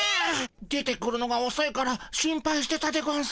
出てくるのがおそいから心配してたでゴンス。